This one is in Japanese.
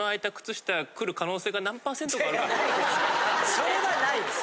それはないです。